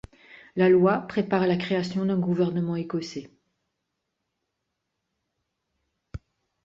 La loi prépare la création d'un gouvernement écossais.